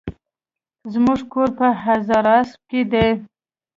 زموکور په هزاراسپ کی دي